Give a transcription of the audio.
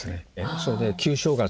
それで旧正月